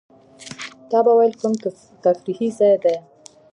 تا به وېل کوم تفریحي ځای دی.